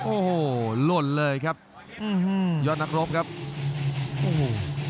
โอ้โหหล่นเลยครับอืมยอดนักรบครับโอ้โห